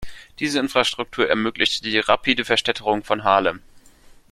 Diese Infrastruktur ermöglichte die rapide Verstädterung von Harlem.